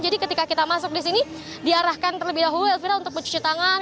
jadi ketika kita masuk di sini diarahkan terlebih dahulu elvira untuk mencuci tangan